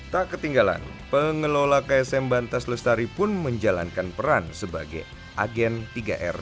tak ketinggalan pengelola ksm bantas lestari pun menjalankan peran sebagai agen tiga r